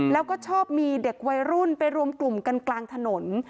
แล้วก็ชอบมีเด็กวัยรุ่นไปรวมกลุ่มกันกลางถนน